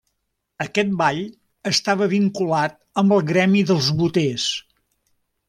Aquest ball estava vinculat amb el gremi dels boters.